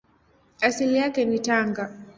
Asili yake ni Tanga.